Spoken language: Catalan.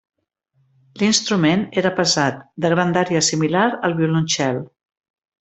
L'instrument era pesat, de grandària similar al violoncel.